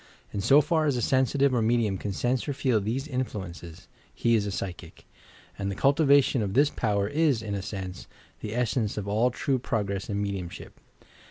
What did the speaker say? In so far as a sensitive or medium can sense or feel these influ ences, he is a psychic; and the cultivation of this power is, in a sense, the essence of all true progress in medium ship.